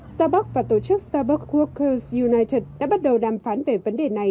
starbucks và tổ chức starbucks workers united đã bắt đầu đàm phán về vấn đề này